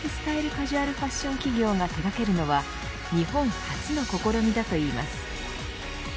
カジュアルファッション企業が手掛けるのは日本初の試みだといいます。